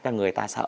cho người ta sợ